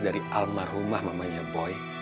dari alma rumah mamanya boy